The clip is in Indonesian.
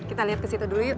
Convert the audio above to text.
kita lihat ke situ dulu yuk